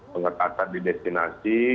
pengetasar di destinasi